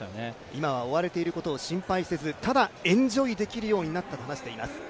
今は追われていることを心配せずただエンジョイできるようになったと話しています。